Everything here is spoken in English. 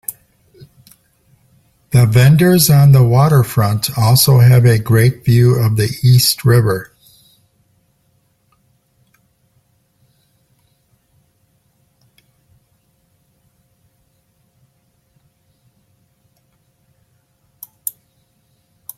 The vendors on the waterfront also have a great view of the East River.